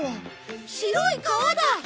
白い川だ！